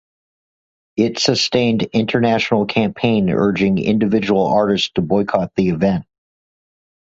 It sustained international campaign urging individual artists to boycott the event.